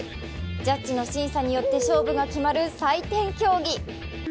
ジャッジの審査によって勝負が決まる採点競技。